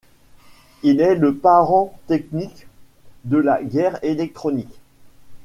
Il est le parent technique de la guerre électronique.